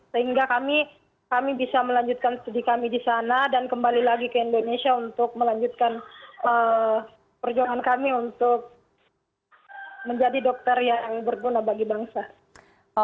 sehingga kami bisa melanjutkan studi kami di sana dan kembali lagi ke indonesia untuk melanjutkan perjuangan kami untuk menjadi dokter yang berguna bagi bangsa